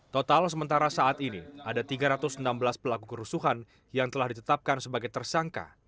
total sementara saat ini ada tiga ratus enam belas pelaku kerusuhan yang telah ditetapkan sebagai tersangka